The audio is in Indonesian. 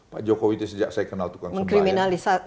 pak jokowi itu sejak saya kenal tukang sembah